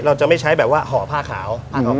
เราจะไม่ใช้แบบว่าห่อผ้าขาว